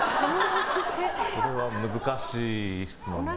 それは難しい質問ですね。